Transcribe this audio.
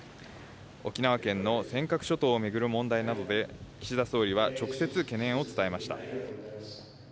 沖縄県の尖閣諸島を巡る問題などで、岸田総理は直接、懸念を伝えました。